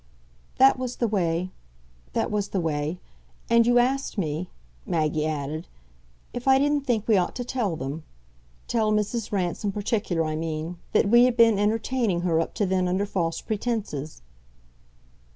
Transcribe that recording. "That was the way that was the way. And you asked me," Maggie added, "if I didn't think we ought to tell them. Tell Mrs. Rance, in particular, I mean, that we had been entertaining her up to then under false pretences."